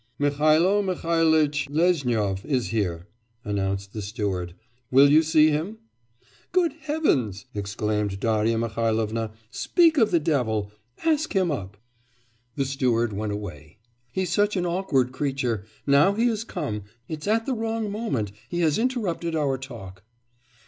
_' 'Mihailo Mihailitch Lezhnyov is here,' announced the steward. 'Will you see him?' 'Good Heavens!' exclaimed Darya Mihailovna, 'speak of the devil ask him up.' The steward went away. 'He's such an awkward creature. Now he has come, it's at the wrong moment; he has interrupted our talk.